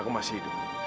aku masih hidup